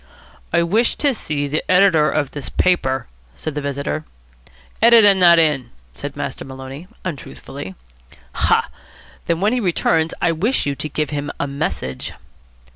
"I wish to see the editor of this paper," said the visitor. "Editor not in," said Master Maloney, untruthfully. "Ha! Then when he returns I wish you to give him a message."